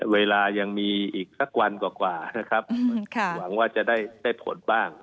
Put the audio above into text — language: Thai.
เวลายังมีอีกสักวันกว่านะครับหวังว่าจะได้ผลบ้าง